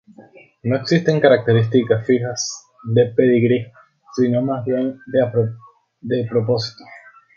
No existen características fijas de pedigrí, sino más bien de propósito.